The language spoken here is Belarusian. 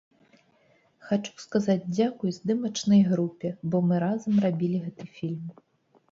Хачу сказаць дзякуй здымачнай групе, бо мы разам рабілі гэты фільм.